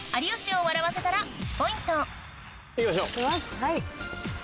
はい。